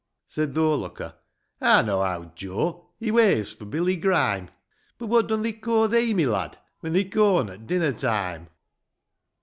Said th' o'erlooker, " I know owd Joe, — He weighvs for Billy Grime ; But, what dun they co' thee, my lad, When they co'n at dinner time